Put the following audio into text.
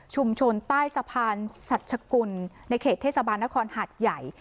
ใต้สะพานสัชกุลในเขตเทศบาลนครหัดใหญ่